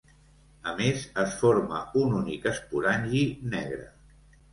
A més, es forma un únic esporangi negre.